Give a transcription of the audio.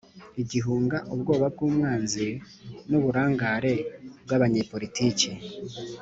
igihunga, ubwoba bw'umwanzi n'uburangare bw'abanyepolitiki